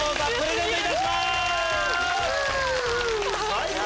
最高！